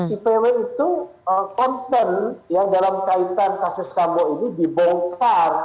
ipw itu concern ya dalam kaitan kasus sambo ini dibongkar